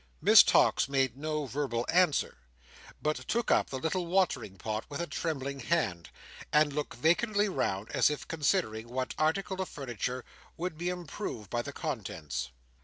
Miss Tox made no verbal answer, but took up the little watering pot with a trembling hand, and looked vacantly round as if considering what article of furniture would be improved by the contents.